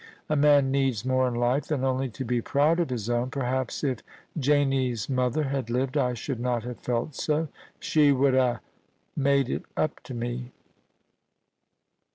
A man needs more in life than only to be proud of his own. Perhaps if Janie's mother had lived I should not have felt so. She would ha' made it up to me.'